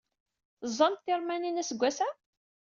Teẓẓamt tiṛemmanin aseggas-a?